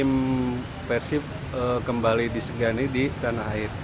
tim persib kembali disegani di tanah air